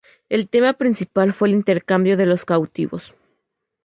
El tema principal fue el intercambio de los cautivos.